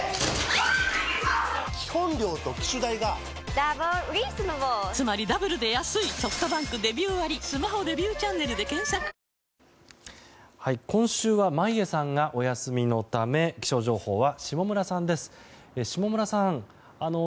基本料と機種代が今週は眞家さんがお休みのため気象情報は下村さんです。